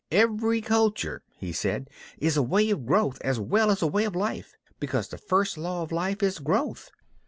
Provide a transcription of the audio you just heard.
"Every culture," he said, "is a way of growth as well as a way of life, because the first law of life is growth.